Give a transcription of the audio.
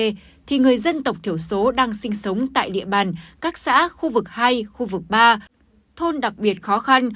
trong đó trường hợp người dân tộc thiểu số đang sinh sống tại địa bàn các xã khu vực hai khu vực ba thôn đặc biệt khó khăn